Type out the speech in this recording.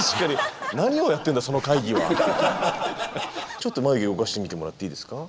ちょっと眉毛動かしてみてもらっていいですか？